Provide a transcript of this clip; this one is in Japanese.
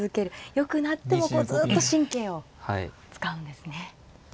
よくなってもずっと神経を遣うんですね。